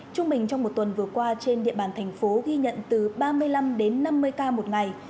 trung bình trong một tuần vừa qua trên địa bàn thành phố ghi nhận từ ba mươi năm đến năm mươi ca một ngày